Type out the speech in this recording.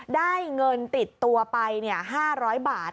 ได้เงินติดตัวไป๕๐๐บาท